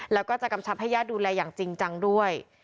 แล้วก็จะกำชับให้ญาติดูแลอย่างจริงจังด้วย